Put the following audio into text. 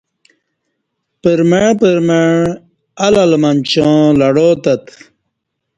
پرمع پرمع آل آل منچاں لڑاتت